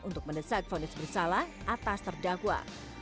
untuk mendesak fonis bersalah atas terdakwa